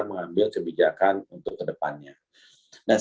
mengambil kebijakan untuk kedepannya dan